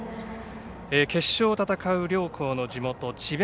決勝を戦う両校の地元智弁